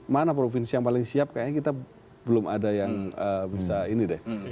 mana provinsi yang paling siap kayaknya kita belum ada yang bisa ini deh